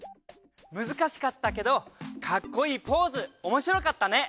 難しかったけどかっこいいポーズおもしろかったね。